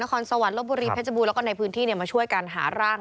คอนสวรรค์ลบบุรีเพชรบูรแล้วก็ในพื้นที่มาช่วยกันหาร่าง